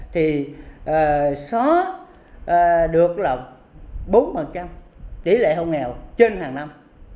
thì xóa được là bốn tỷ lệ hôn nghèo trên hàng năm